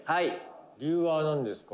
理由はなんですか？」